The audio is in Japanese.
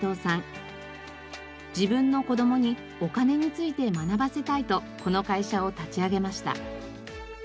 自分の子どもにお金について学ばせたいとこの会社を立ち上げました。